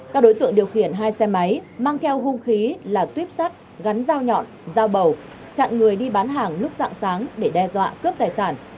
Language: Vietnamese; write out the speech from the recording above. các đối tượng điều khiển hai xe máy mang theo hung khí là tuyếp sắt gắn dao nhọn dao bầu chặn người đi bán hàng lúc dạng sáng để đe dọa cướp tài sản